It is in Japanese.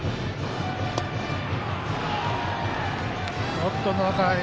ちょっと中に。